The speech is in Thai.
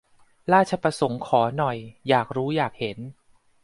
ราชประสงค์ขอ หน่อย อยากรู้อยากเห็น